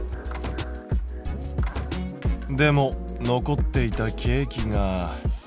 でも残っていたケーキが。